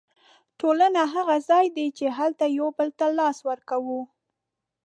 ټولنه هغه ځای دی چې هلته یو بل ته لاس ورکوو.